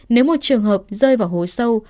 nếu một trường hợp rơi vào hố sâu